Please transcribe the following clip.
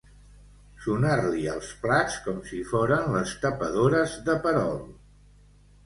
Sonar-li els plats com si foren les tapadores de perol.